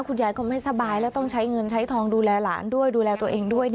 คุณยายก็ไม่สบายแล้วต้องใช้เงินใช้ทองดูแลหลานด้วยดูแลตัวเองด้วย